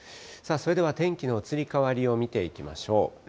それでは天気の移り変わりを見ていきましょう。